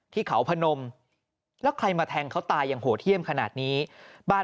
ที่เขาพนมแล้วใครมาแทงเขาตายอย่างโหดเยี่ยมขนาดนี้บ้าน